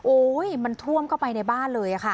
โอ้ยมันท่วมเข้าไปในบ้านเลย